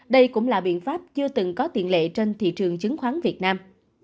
đây cũng là biện pháp chưa từng có tiền lệ trên thị trường chứng khoán việt nam